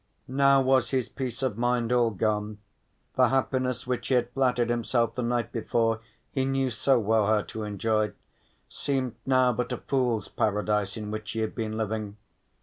Now was his peace of mind all gone, the happiness which he had flattered himself the night before he knew so well how to enjoy, seemed now but a fool's paradise in which he had been living.